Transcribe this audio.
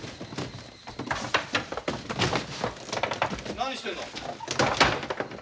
何してるの？